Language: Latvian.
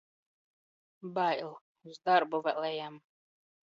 Bail. Uz darbu vēl ejam.